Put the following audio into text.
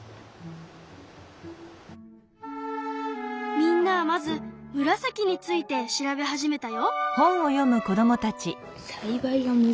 みんなはまずムラサキについて調べ始めたよ。